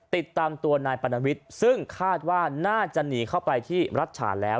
ติดตามตัวนายปรณวิทย์ซึ่งคาดว่าน่าจะหนีเข้าไปที่รัฐฉาแล้ว